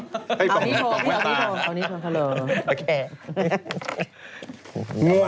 ไม่ใช่นี้การเทาโทรศัพท์ไม่ตลาด